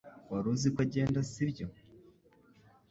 Wari uziko agenda sibyo